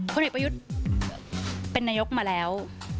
ผลเอกประยุทธ์เป็นนายกมาแล้ว